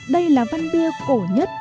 đây là văn bia cổ nhất